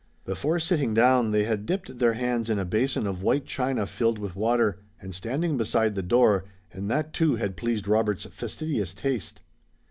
Before sitting down, they had dipped their hands in a basin of white china filled with water, and standing beside the door, and that too had pleased Robert's fastidious taste.